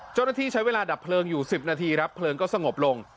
เจ้าหน้าที่ใช้เวลาดับเพลิงอยู่๑๐นาทีครับเพลิงก็สงบลง